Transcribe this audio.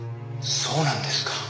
そうなんですか。